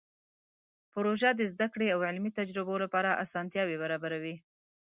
پروژه د زده کړې او علمي تجربو لپاره اسانتیاوې برابروي.